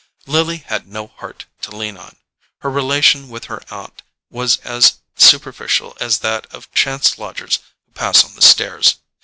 Lily had no heart to lean on. Her relation with her aunt was as superficial as that of chance lodgers who pass on the stairs.